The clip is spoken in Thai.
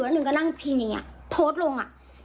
แล้วหนึ่งก็นั่งพิงอย่างนี้โพสต์ลง